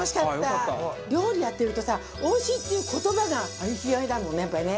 料理やってるとさ「おいしい」っていう言葉が生きがいだもんね、やっぱりね。